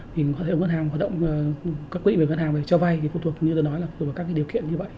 thì có thể các quỹ về ngân hàng về cho vay thì phụ thuộc như tôi nói là các điều kiện như vậy